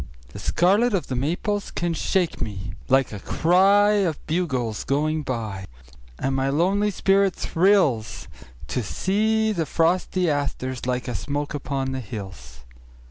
The scarlet of the maples can shake me like a cryOf bugles going by. And my lonely spirit thrillsTo see the frosty asters like a smoke upon the hills.